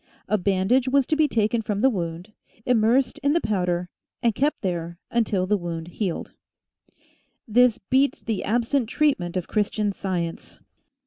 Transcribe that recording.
A bandage was to be taken from the wound, immersed in the powder, and kept there until the wound healed. This beats the absent treatment of Christian Science